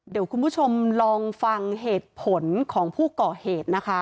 เดี๋ยวคุณผู้ชมลองฟังเหตุผลของผู้ก่อเหตุนะคะ